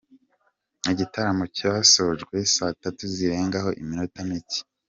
Igitaramo cyasojwe saa tatu zirengaho iminota mike.